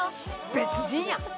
別人やん！